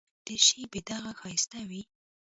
دریشي بې داغه ښایسته وي.